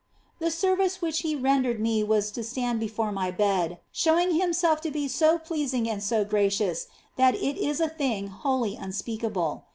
The service which He rendered me was to stand before my bed, showing Himself to be so pleasing and so gracious that it is a thing wholly unspeakable.